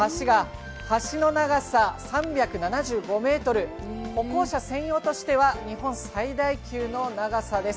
橋の長さ３７５ｍ歩行者専用としては日本最大級の長さです。